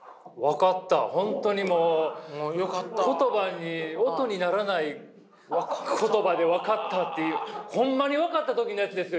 本当にもう言葉に音にならない言葉で「分かった」っていうほんまに分かった時のやつですよ！